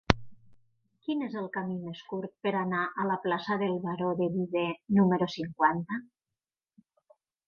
Quin és el camí més curt per anar a la plaça del Baró de Viver número cinquanta?